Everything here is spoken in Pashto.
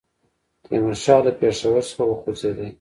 تیمورشاه له پېښور څخه وخوځېدی.